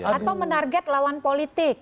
atau menarget lawan politik